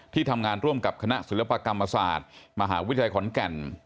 ทำงานร่วมกับคณะศิลปกรรมศาสตร์มหาวิทยาลัยขอนแก่น